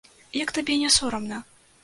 Як табе не сорамна?